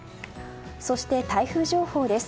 そして、台風情報です。